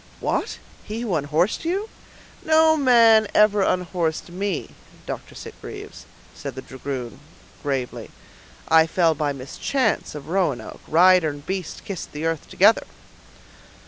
"What? He who unhorsed you?" "No man ever unhorsed me, Dr. Sitgreaves," said the dragoon, gravely. "I fell by mischance of Roanoke; rider and beast kissed the earth together."